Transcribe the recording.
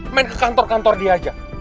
main ke kantor kantor dia aja